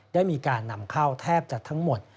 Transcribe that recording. ได้มีการนำเข้าแทบจะทั้งหมด